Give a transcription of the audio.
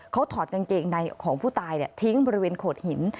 เขาถอดกางเกงในของผู้ตายทิ้งบริเวณโขดหิน